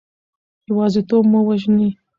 یوازیتوب مو وژني.